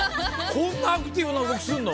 こんなアクティブな動きすんの？